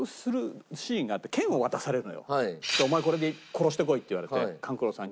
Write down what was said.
お前これで殺してこいって言われて勘九郎さんに。